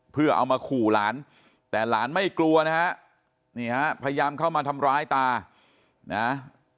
เพื่อเอามาขู่หลานแต่หลานไม่กลัวนะฮะนี่ฮะพยายามเข้ามาทำร้ายตานะ